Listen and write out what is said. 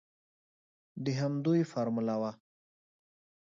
د همدوی فارموله وه.